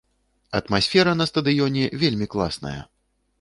Атмасфера на стадыёне вельмі класная.